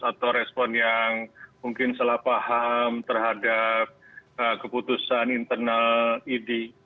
atau respon yang mungkin salah paham terhadap keputusan internal idi